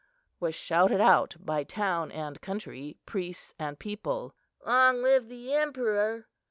was shouted out by town and country, priests and people. "Long live the emperor!